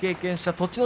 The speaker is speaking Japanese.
栃ノ